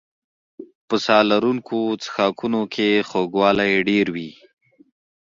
په ساه لرونکو څښاکونو کې خوږوالی ډېر وي.